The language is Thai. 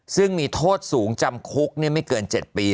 ซึ่งมีโทษสูงจำคุกไม่เกิน๗ปี